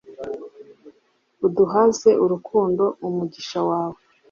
uduhaze urukundo, umugisha wawe